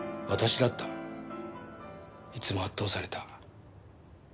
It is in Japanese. いつも圧倒された。